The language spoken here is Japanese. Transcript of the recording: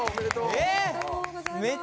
えっ！